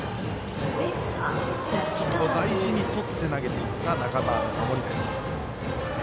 大事にとって投げていった中澤の守りです。